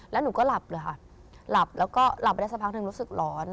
แล้วหนูก็หลับเลยค่ะหลับแล้วก็หลับไปได้สักพักหนึ่งรู้สึกร้อน